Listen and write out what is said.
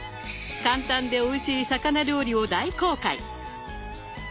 簡単でおいしい魚料理を大公開！